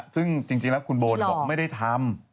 ซึ่งจริงแล้วคุณโบบอกไม่ได้ทำ